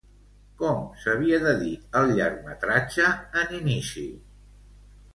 Com s'havia de dir el llargmetratge en inici?